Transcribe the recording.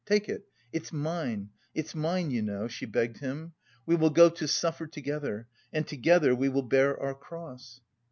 Take it... it's mine! It's mine, you know," she begged him. "We will go to suffer together, and together we will bear our cross!"